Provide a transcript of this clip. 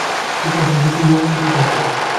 কীটনাশক বিক্রি নিয়ন্ত্রণ করতে হবে।